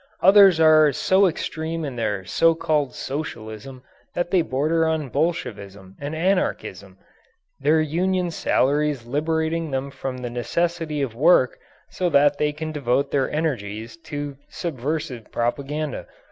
Others are so extreme in their so called socialism that they border on Bolshevism and anarchism their union salaries liberating them from the necessity of work so that they can devote their energies to subversive propaganda.